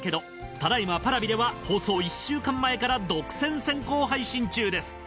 ただ今Ｐａｒａｖｉでは放送１週間前から独占先行配信中です。